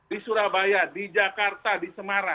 di surabaya di jakarta di semarang